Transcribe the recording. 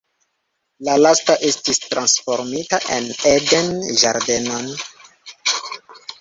La lasta estis transformita en eden-ĝardenon.